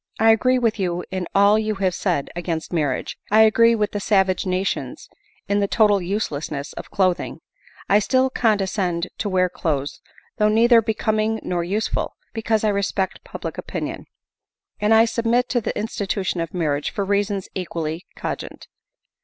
I agree with you in all you have said against marriage ; I agree with die savage nations in the total uselessness of clothing ; still I condescend to wear clothes though neither becoming nor useful, because I respect public opinion ; and I submit to the institution of marriage for reasons equally cogent.